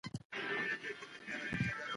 هغه سړی په چټکۍ له هوټل څخه ووت.